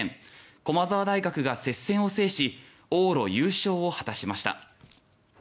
駒澤大学が接戦を制し往路優勝を果たしました。